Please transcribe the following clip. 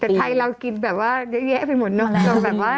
แต่ไทยเรากินแบบว่าเยอะแยะไปหมดเนอะ